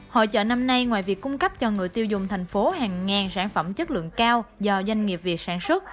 hội trợ năm nay ngoài việc cung cấp cho người tiêu dùng thành phố hàng ngàn sản phẩm chất lượng cao do doanh nghiệp việt sản xuất